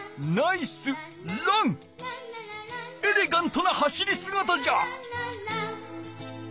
エレガントな走りすがたじゃ。